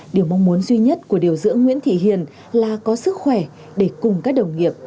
điều mong muốn duy nhất của điều dưỡng nguyễn thị hiền là có sức khỏe để cùng các đồng nghiệp